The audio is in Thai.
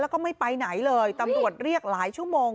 แล้วก็ไม่ไปไหนเลยตำรวจเรียกหลายชั่วโมง